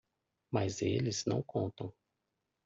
Mas eles não contam.